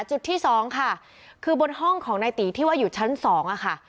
จุดที่สองค่ะคือบนห้องของนายตีที่ว่าอยู่ชั้นสองอะค่ะ